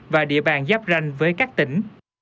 và địa bàn giáp ranh với các tỉnh